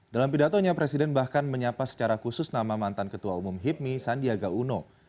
dalam pidatonya presiden bahkan menyapa secara khusus nama mantan ketua umum hipmi sandiaga uno